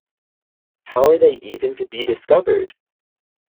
How are they even to be discovered?